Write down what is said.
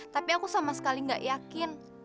tapi aku sama sekali gak yakin